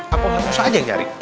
apa usah aja yang nyari